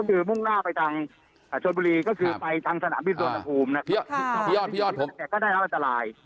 ก็คือมุ่งล่าไปทางชนบุรีก็คือไปทางสนามพิษวรรณภูมินะครับ